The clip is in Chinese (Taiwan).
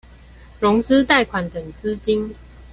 融資貸款等資金